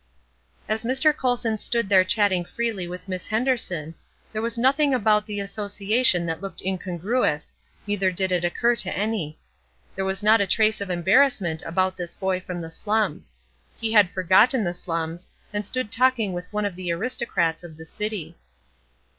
As Mr. Colson stood there chatting freely with Miss Henderson, there was nothing about the association that looked incongruous, neither did it occur to any. There was not a trace of embarrassment about this boy from the slums; he had forgotten the slums, and stood talking with one of the aristocrats of the city.